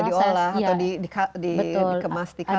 sudah diolah atau dikemas di kaleng